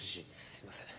すいません。